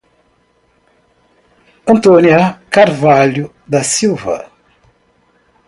Antônia Carvalho da Silva